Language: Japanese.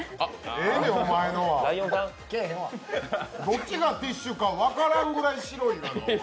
どっちがティッシュか分からんぐらい白い。